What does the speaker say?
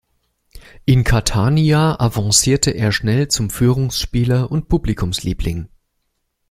In Catania avancierte er schnell zum Führungsspieler und Publikumsliebling.